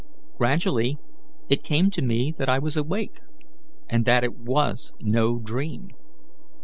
Gradually it came to me that I was awake, and that it was no dream.